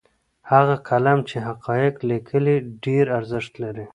هغه قلم چې حقایق لیکي ډېر ارزښت لري.